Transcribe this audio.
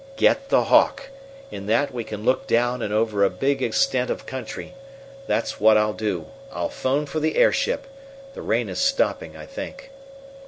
"Get the Hawk! In that we can look down and over a big extent of country. That's what I'll do I'll phone for the airship. The rain is stopping, I think."